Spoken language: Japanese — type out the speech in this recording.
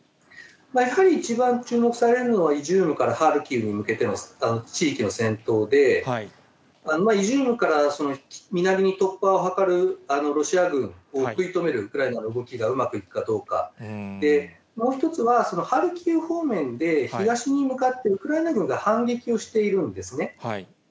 やはり、一番注目されるのはイジュームからハルキウに向けての地域の戦闘で、イジュームから南に突破を図るロシア軍を食い止めるウクライナの動きがうまくいくかどうか、もう１つは、ハルキウ方面で東に向かってウクライナ軍が反撃をしているんですね。